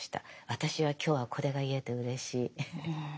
私は今日はこれが言えてうれしい。